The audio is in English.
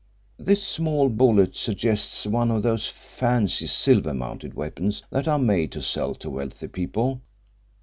"This small bullet suggests one of those fancy silver mounted weapons that are made to sell to wealthy people.